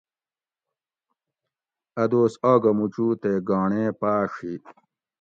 اۤ دوس آگہ موچو تے گانڑے پاڛ ہی